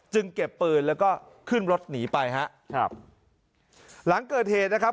เก็บปืนแล้วก็ขึ้นรถหนีไปฮะครับหลังเกิดเหตุนะครับ